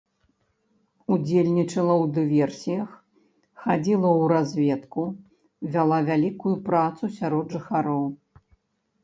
Удзельнічала ў дыверсіях, хадзіла ў разведку, вяла вялікую працу сярод жыхароў.